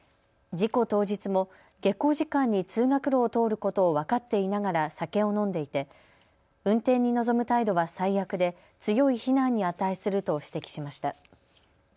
事故当日も下校時間に通学路を通ることを分かっていながら酒を飲んでいて運転に臨む態度は最悪で強い非難に値すると指摘しました。